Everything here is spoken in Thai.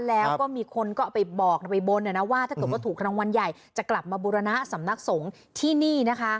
แล้วก็มีคนก็ไปบอกไปบ้นนะว่าถ้าต้องกระถุครั้งวันใหญ่จะกลับมาบุรณะสำนักสงฆ์ที่นี่นะคะ